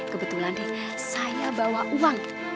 kebetulan deh saya bawa uang